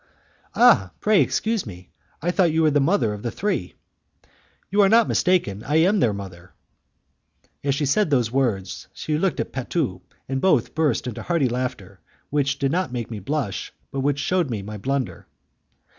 "Ah! pray excuse me, I thought you were the mother of the three." "You were not mistaken, I am their mother." As she said these words she looked at Patu, and both burst into hearty laughter which did not make me blush, but which shewed me my blunder.